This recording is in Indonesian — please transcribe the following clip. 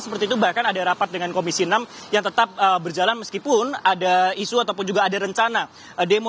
seperti itu bahkan ada rapat dengan komisi enam yang tetap berjalan meskipun ada isu ataupun juga ada rencana demo